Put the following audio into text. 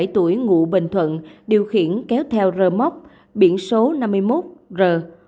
hai mươi bảy tuổi ngụ bình thuận điều khiển kéo theo rơ móc biển số năm mươi một r một mươi sáu nghìn một trăm một mươi chín